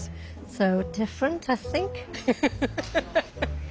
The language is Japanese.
そう。